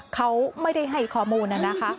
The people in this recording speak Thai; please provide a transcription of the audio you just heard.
เขาไม่ได้ให้ข้อมูลนะคะ